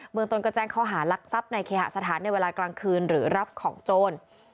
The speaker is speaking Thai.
เมืองตนก็แจ้งข้อหารักทรัพย์ในเคหสถานในเวลากลางคืนหรือรับของโจร